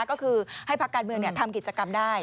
ก็คือให้พักการเมืองทำกิจกรรมได้